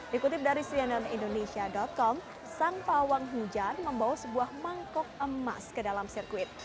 dikutip dari cnn indonesia com sang pawang hujan membawa sebuah mangkok emas ke dalam sirkuit